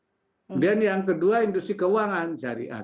kemudian yang kedua industri keuangan syariah